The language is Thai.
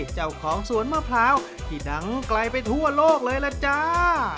เจ้าของสวนมะพร้าวที่ดังไกลไปทั่วโลกเลยล่ะจ้า